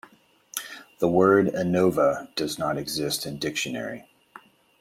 The word "Innova" does not exist in dictionary.